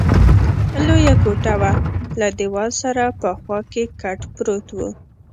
لویه کوټه وه، له دېوال سره په خوا کې کټ پروت وو.